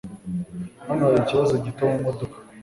Hano hari ikibazo gito mumodoka.